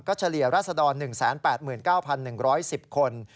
เฉลี่ยราษดร๑๘๙๑๑๐คน